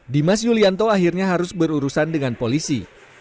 dimas yulianto akhirnya harus berurusan dengan polisi